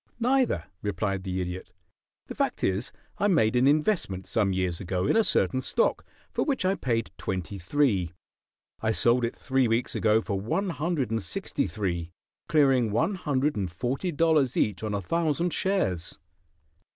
"Neither," replied the Idiot. "The fact is, I made an investment some years ago in a certain stock, for which I paid twenty three. I sold it three weeks ago for one hundred and sixty three, clearing one hundred and forty dollars each on a thousand shares."